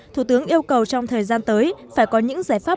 thủ tướng yêu cầu trong thời gian tới phải có những giải pháp